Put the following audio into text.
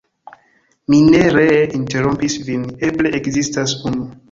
"Mi ne ree interrompos vin; eble ekzistas unu."